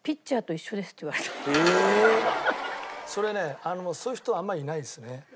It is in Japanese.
それねそういう人はあんまりいないですね。